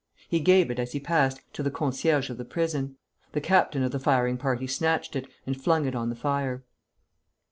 He gave it, as he passed, to the concierge of the prison. The captain of the firing party snatched it, and flung it on the fire.